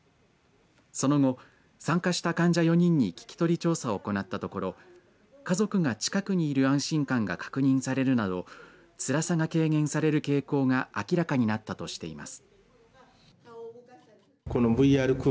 その後、参加した患者４人に聞き取り調査を行ったところ家族が近くにいる安心感が確認されるなどつらさが軽減される傾向が明らかになったとしています。